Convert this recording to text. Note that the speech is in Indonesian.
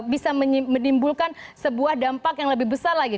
bisa menimbulkan sebuah dampak yang lebih besar lagi